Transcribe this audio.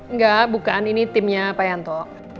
enggak bukaan ini timnya pak yanto